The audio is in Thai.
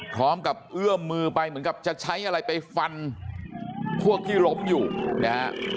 พร้อมกับเอื้อมมือไปเหมือนกับจะใช้อะไรไปฟันพวกที่ล้มอยู่นะฮะ